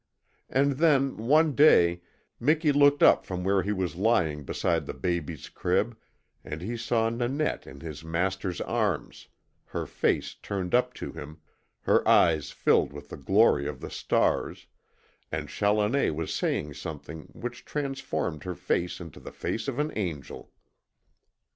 And then, one day, Miki looked up from where he was lying beside the baby's crib and he saw Nanette in his master's arms, her face turned up to him, her eyes filled with the glory of the stars, and Challoner was saying something which transformed her face into the face of an angel.